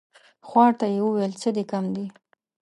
خوار ته يې ويل څه دي کم دي ؟